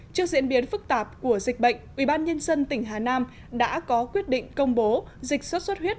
trước diễn biến phức tạp của dịch bệnh ubnd tỉnh hà nam đã có quyết định công bố dịch sốt xuất huyết